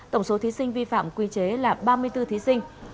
tổng số thí sinh vi phạm quy chế là ba mươi bốn thí sinh